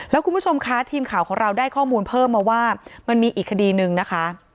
แล้วคุณผู้ชมคะทีมข่าวของเราได้ข้อมูลเพิ่มมาว่ามันมีอีกคดีนึงนะคะ